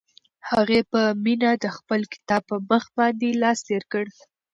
هغې په مینه د خپل کتاب په مخ باندې لاس تېر کړ.